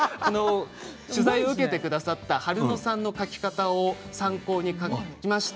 取材を受けてくださった春乃さんの描き方を参考にしました。